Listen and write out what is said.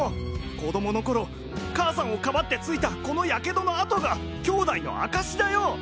子供の頃母さんをかばってついたこの火傷の痕が兄弟の証しだよ！